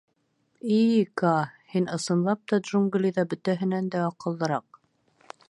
И Каа, һин ысынлап та джунглиҙа бөтәһенән дә аҡыллыраҡ.